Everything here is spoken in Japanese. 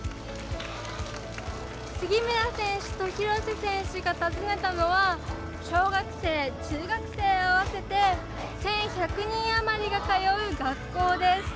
杉村選手と廣瀬選手が訪ねたのは小学生、中学生合わせて１１００人余りが通う学校です。